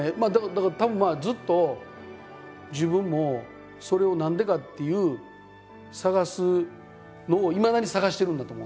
だからたぶんずっと自分もそれを何でかっていう探すのをいまだに探してるんだと思うんですよ。